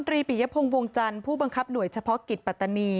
ปิยพงศ์วงจันทร์ผู้บังคับหน่วยเฉพาะกิจปัตตานี